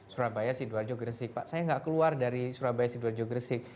surabaya sidoarjo gresik pak saya nggak keluar dari surabaya sidoarjo gresik